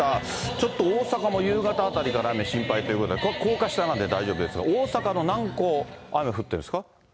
ちょっと大阪も夕方あたりから雨、心配ということで、ここ、高架下なんで大丈夫ですが、大阪の南港、雨降ってるんですか。